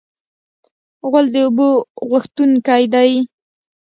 غول د اوبو غوښتونکی دی.